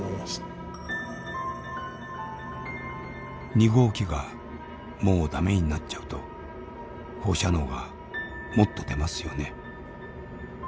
「２号機がもうダメになっちゃうと放射能がもっと出ますよね。